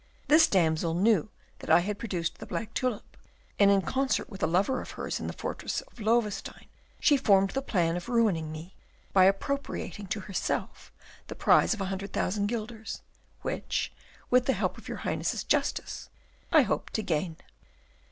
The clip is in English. This damsel knew that I had produced the black tulip, and, in concert with a lover of hers in the fortress of Loewestein, she formed the plan of ruining me by appropriating to herself the prize of a hundred thousand guilders, which, with the help of your Highness's justice, I hope to gain."